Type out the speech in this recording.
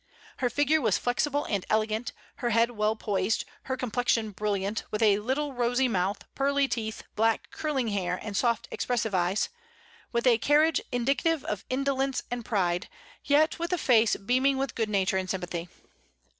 Her figure was flexible and elegant, her head well poised, her complexion brilliant, with a little rosy mouth, pearly teeth, black curling hair, and soft expressive eyes, with a carriage indicative of indolence and pride, yet with a face beaming with good nature and sympathy.